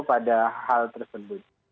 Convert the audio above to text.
pada hal tersebut